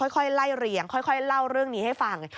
ค่อยไล่เรียงค่อยเล่าเรื่องนี้ให้ฟัง